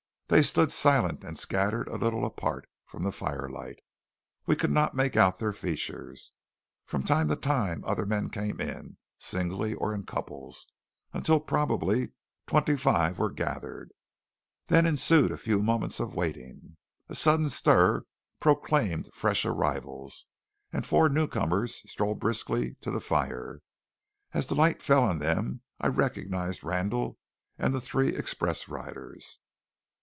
They stood silent and scattered a little apart from the firelight. We could not make out their features. From time to time other men came in, singly or in couples, until probably twenty five were gathered. Then ensued a few moments of waiting. A sudden stir proclaimed fresh arrivals, and four newcomers strode briskly to the fire. As the light fell on them I recognized Randall and the three express riders.